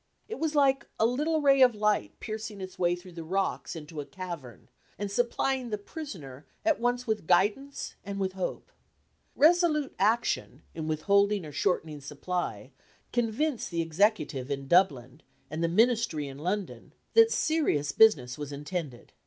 It was like a little ray of light piercing its way through the rocks into a cavern and supplying the prisoner at once with guidance and with hope. Resolute action, in withholding or shortening supply, convinced the Executive in Dublin, and the Ministry in London, that serious business was intended.